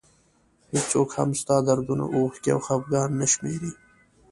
هېڅوک هم ستا دردونه اوښکې او خفګان نه شمېري.